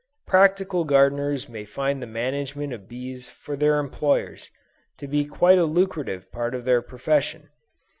Practical gardeners may find the management of bees for their employers, to be quite a lucrative part of their profession.